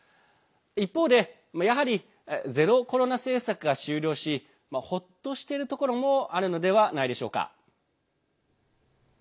一方で、やはりゼロコロナ政策が終了しほっとしているところもあるのではないでしょうか。